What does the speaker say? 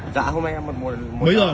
dạ hôm nay em ăn một lẩu